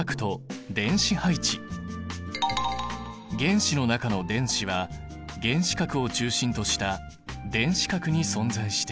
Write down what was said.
原子の中の電子は原子核を中心とした電子殻に存在している。